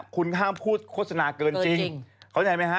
คุณห้ามพูดโฆษณาเกินจริงเข้าใจไหมฮะ